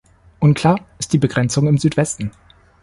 Unklar ist die Begrenzung im Südwesten.